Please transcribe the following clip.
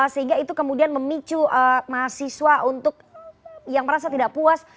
sehingga itu kemudian memicu mahasiswa untuk yang merasa tidak puas